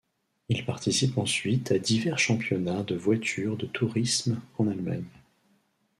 Il participe ensuite à divers championnats de voiture de tourisme en Allemagne.